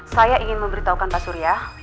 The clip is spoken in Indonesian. saya ingin memberitahukan pak surya